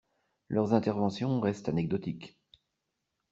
Leurs interventions restent anecdotiques.